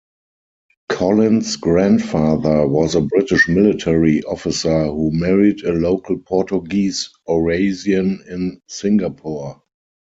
Colin's grandfather was a British military officer who married a local Portuguese-Eurasian in Singapore.